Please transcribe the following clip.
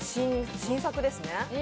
新作ですね。